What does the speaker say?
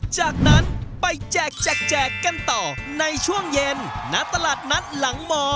จากนั้นไปแจกกันต่อในช่วงเย็นณตลาดนัดหลังม